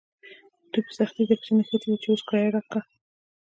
دوی په سختۍ درپسې نښتي وي چې اوښ کرایه کړه.